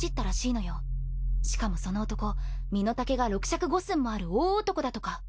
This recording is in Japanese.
しかもその男身の丈が６尺５寸もある大男だとか。